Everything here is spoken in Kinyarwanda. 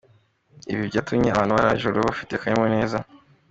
Ibi byatumye abantu barara ijoro bafite akanyamuneza.